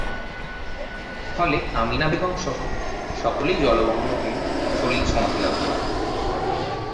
ফলে আমিনা বেগমসহ সকলেই জলমগ্ন হয়ে সলিল-সমাধি লাভ করেন।